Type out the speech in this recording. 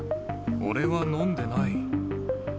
俺は飲んでない。